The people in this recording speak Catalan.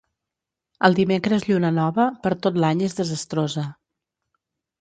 El dimecres lluna nova, per tot l'any és desastrosa.